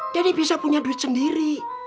jadi bisa punya duit sendiri